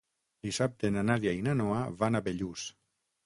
Dissabte na Nàdia i na Noa van a Bellús.